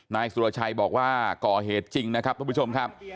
นายสุรชัยบอกว่าก่อเหตุจริงนะครับทุกผู้ชมครับ